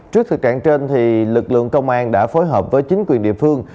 trước thực trạng trên lực lượng công an đã phối hợp với chính quyền địa phương